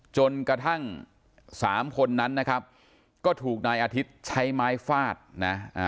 จนกระทั่งสามคนนั้นนะครับก็ถูกนายอาทิตย์ใช้ไม้ฟาดนะ